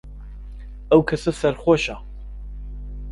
ئەو کەسە سەرخۆشە.